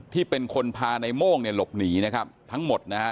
ที่เป็นคนพาในโม่งเนี่ยหลบหนีนะครับทั้งหมดนะฮะ